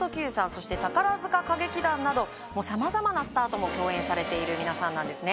そして宝塚歌劇団などさまざまなスターとも共演されている皆さんなんですね